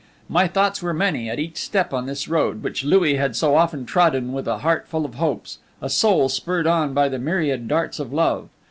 My thoughts were many at each step on this road, which Louis had so often trodden with a heart full of hopes, a soul spurred on by the myriad darts of love.